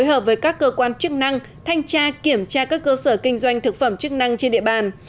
hợp với các cơ quan chức năng thanh tra kiểm tra các cơ sở kinh doanh thực phẩm chức năng trên địa bàn